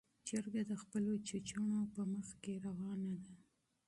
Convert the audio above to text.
چرګه د خپلو بچیو په مخ کې روانه ده.